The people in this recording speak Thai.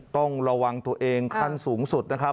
ต้องระวังตัวเองขั้นสูงสุดนะครับ